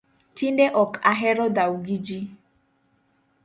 Tinde ok ahero dhao gi jii